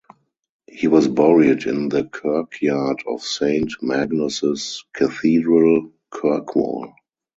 He was buried in the kirkyard of Saint Magnus' Cathedral, Kirkwall.